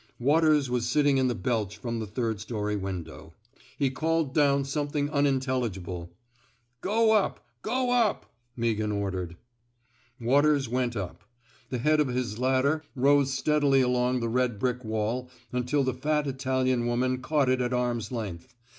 Waters was sitting in the belch from the third story window. He called down some 185 f THE SMOKE EATEES thing unintelligible. CFo up, go up!'* Meaghan ordered. "Waters went up. The head of his ladder rose steadily along the red brick wall until the fat Italian woman caught it at arm's length.